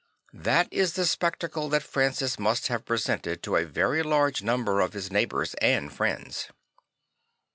That is the spectacle that Francis must have presented to a very large number of his neighbours and friends.